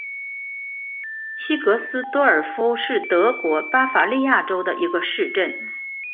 西格斯多尔夫是德国巴伐利亚州的一个市镇。